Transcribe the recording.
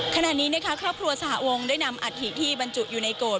ขณะนี้นะคะครอบครัวสหวงได้นำอัฐิที่บรรจุอยู่ในโกรธ